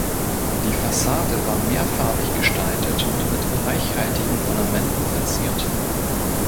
Die Fassade war mehrfarbig gestaltet und mit reichhaltigen Ornamenten verziert.